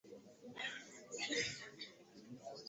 Mtu mkubwa katika mfumo wa dini ya Wamasai ni laibon